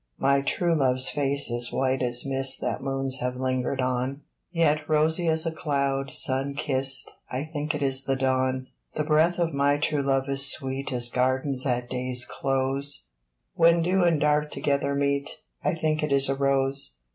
My true love's face is white as mist That moons have lingered on, Yet rosy as a cloud, sun kissed I think it is the Dawn. The breath of my true love is sweet As gardens at day's close When dew and dark together meet I think it is a Rose.